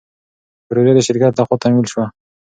پروژه د شرکت له خوا تمویل شوه.